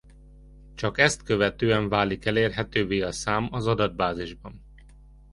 Csak ezt követően válik elérhetővé a szám az adatbázisban.